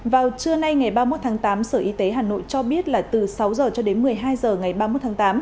vào trưa nay ngày ba mươi một tháng tám sở y tế hà nội cho biết là từ sáu h cho đến một mươi hai h ngày ba mươi một tháng tám